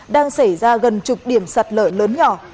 đang xảy ra gần chục điểm sạt lở lớn nhỏ